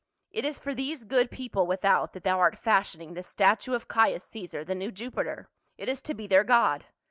It is for these good people without that thou art fashioning this statue of Caius Caesar, the new Jupiter. It is to be their god.